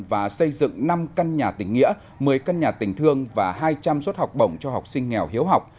và xây dựng năm căn nhà tỉnh nghĩa một mươi căn nhà tình thương và hai trăm linh suất học bổng cho học sinh nghèo hiếu học